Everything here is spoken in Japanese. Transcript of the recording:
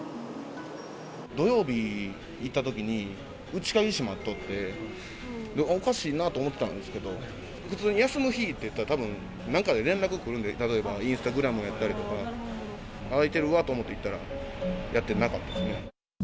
土曜日、行ったときに、内鍵閉まっとって、おかしいなと思ったんですけど、普通に休む日っていったら、何かで連絡来るんで、例えばインスタグラムやとか、開いてるわと思って行ったら、やってなかったですね。